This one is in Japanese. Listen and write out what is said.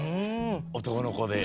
おとこのこで。